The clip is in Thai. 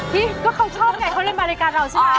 พี่ก็เขาชอบไงเขาเล่นมารายการเราใช่ไหม